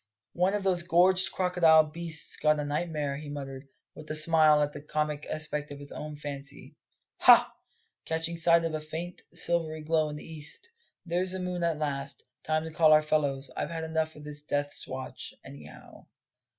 "One of those gorged crocodile beasts got a nightmare," he muttered, with a smile at the comic aspect of his own fancy. "Ha," catching sight of a faint, silvery glow in the east, "there's the moon at last. Time to call our fellows; I've had enough of this death's watch, anyhow."